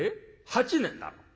８年になる？